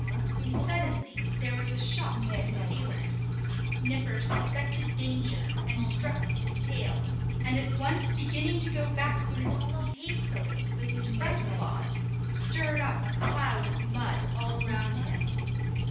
Suddenly there was a shock to his feelers. Nipper suspected danger, and struck with his tail; and at once beginning to go backwards, he hastily, with his front claws, stirred up a cloud of mud all round him.